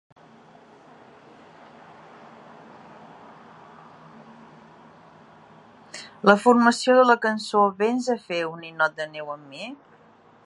La formació de la cançó Véns a fer un ninot de neu amb mi?